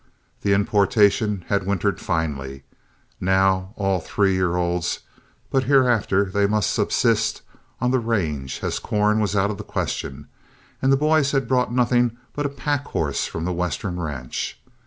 The importation had wintered finely, now all three year olds, but hereafter they must subsist on the range, as corn was out of the question, and the boys had brought nothing but a pack horse from the western ranch.